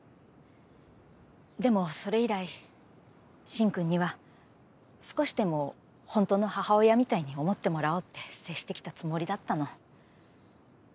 でもそれ以来進くんには少しでも本当の母親みたいに思ってもらおうって接してきたつもりだったの。